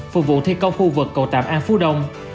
phục vụ thi công khu vực cầu tạm an phú đông